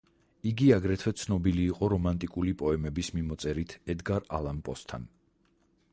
იგი აგრეთვე ცნობილი იყო რომანტიკული პოემების მიმოწერით ედგარ ალან პოსთან.